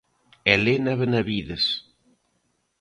Elena Benavides.